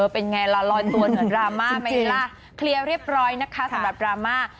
เป็นไงล่ะลอยตัวเหมือนดราม่าไหมล่ะเคลียร์เรียบร้อยนะคะสำหรับดราม่า